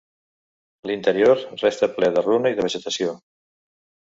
L'interior resta ple de runa i de vegetació.